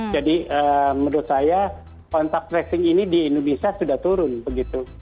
jadi menurut saya kontak tracing ini di indonesia sudah turun begitu